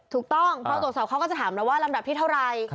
ถูกต้องพอตรวจสอบเขาก็จะถามแล้วว่าลำดับที่เท่าไหร่